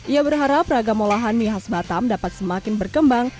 ia berharap ragam olahan mie khas batam dapat semakin berkembang